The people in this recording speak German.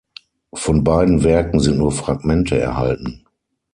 Von beiden Werken sind nur Fragmente erhalten.